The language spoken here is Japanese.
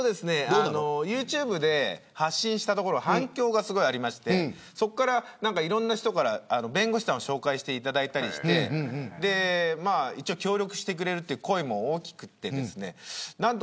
ユーチューブで発信したところ反響がすごいありましてそこからいろんな人から弁護士さんを紹介していただいたりして協力してくれるという声も大きくてですね